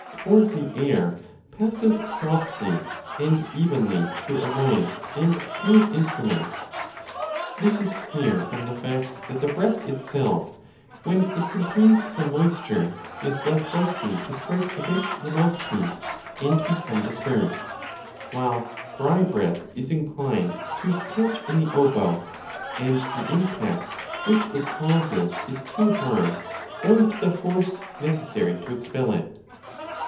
For the air passes softly and evenly through a moist and smooth instrument. This is clear from the fact that the breath itself, when it contains some 25 moisture, is less likely to strike against the mouthpiece and become dispersed ; while dry breath is inclined to catch in the oboe, and the impact which it causes is too 1 8o2 b 16. Reading with Wallis e^oro ai for 8o2 b DE AUDIBILIBUS hard owing to the force necessary to expel it.